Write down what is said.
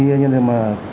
thế nhưng mà